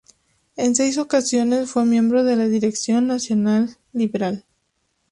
En seis ocasiones fue miembro de la dirección Nacional Liberal.